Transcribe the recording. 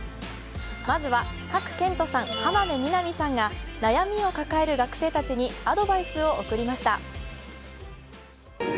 まずは、賀来賢人さん、浜辺美波さんが悩みを抱える学生たちにアドバイスを送りました。